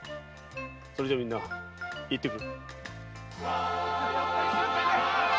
それではみんな行ってくる。